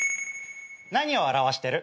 何を表してる？